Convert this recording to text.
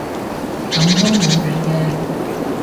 噉都冇計嘅